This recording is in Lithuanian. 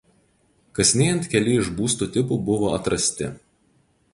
Kasinėjant keli iš būstų tipų buvo atrasti.